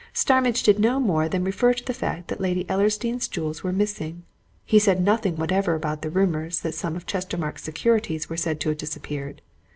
Starmidge did no more than refer to the fact that Lady Ellersdeane's jewels were missing: he said nothing whatever about the rumours that some of Chestermarke's securities were said to have disappeared.